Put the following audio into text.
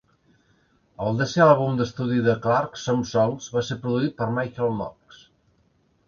El desè àlbum d"estudi de Clark, "Some Songs", va ser produït per Michael Knox.